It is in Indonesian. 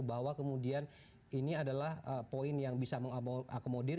bahwa kemudian ini adalah poin yang bisa mengakomodir